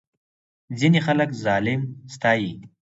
ځینې خلک ظالم ستایي.